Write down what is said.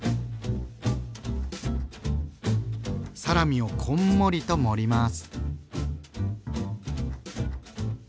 サラミをこんもりと盛ります。